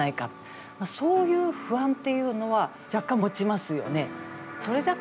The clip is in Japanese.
そういう不安というのは若干持ちますよね。